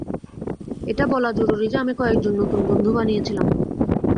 এটা বলা জরুরী যে আমি কয়েকজন নতুন বন্ধু বানিয়েছিলাম।